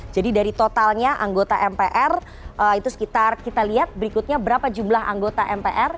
jadi dari totalnya anggota mpr itu sekitar kita lihat berikutnya berapa jumlah anggota mpr